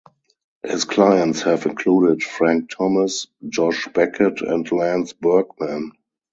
His clients have included Frank Thomas, Josh Beckett, and Lance Berkman.